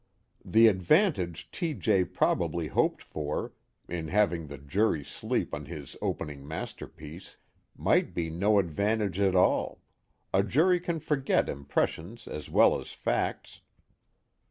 The advantage T. J. probably hoped for, in having the jury sleep on his opening masterpiece, might be no advantage at all a jury can forget impressions as well as facts....